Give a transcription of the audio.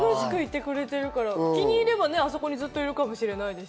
気に入れば、そこにいてくれるのかもしれない。